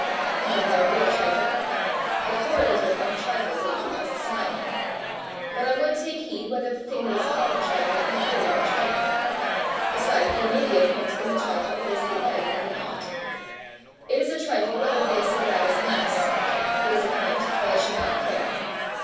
"Not about a real trifle. The co relative of a trifle, Davie, is a smile. But I would take heed whether the thing that is called a trifle be really a trifle. Besides, there may be a point in a trifle that is the egg of an ought. It is a trifle whether this or that is nice; it is a point that I should not care.